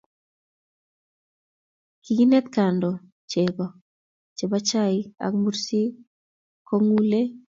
Kikiinte kando cheko che bo chaik ak mursik kong'ulei.